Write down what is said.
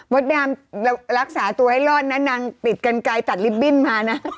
ดามรักษาตัวให้รอดนะนางปิดกันไกลตัดลิฟตบิ้นมานะ